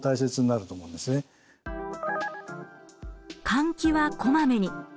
換気はこまめに。